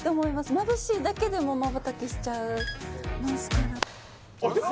まぶしいだけでもまばたきしちゃう・あっ